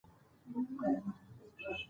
نه یوه ګوله مړۍ کړه چا وروړاندي